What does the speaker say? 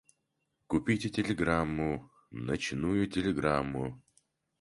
Купите телеграмму — ночную телеграмму!